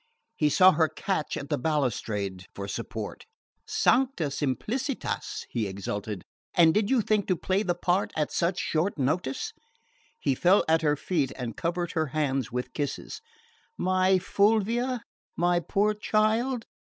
He saw her catch at the balustrade for support. "Sancta simplicitas!" he exulted, "and did you think to play the part at such short notice?" He fell at her feet and covered her hands with kisses. "My Fulvia! My poor child!